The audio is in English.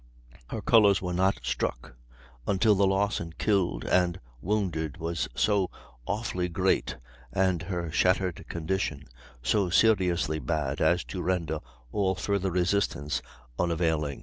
Her colors were not struck until the loss in killed and wounded was so awfully great and her shattered condition so seriously bad as to render all further resistance unavailing."